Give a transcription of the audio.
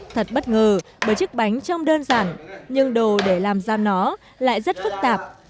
thật bất ngờ bởi chiếc bánh trông đơn giản nhưng đồ để làm ra nó lại rất phức tạp